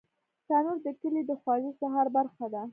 تنور د کلي د خواږه سهار برخه ده